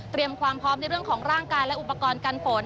ความพร้อมในเรื่องของร่างกายและอุปกรณ์กันฝน